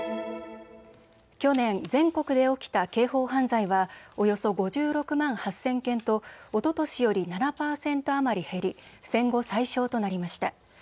去年、全国で起きた刑法犯罪はおよそ５６万８０００件とおととしより７％余り減り戦後最少となりました。